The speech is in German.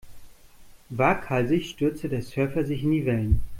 Waghalsig stürzte der Surfer sich in die Wellen.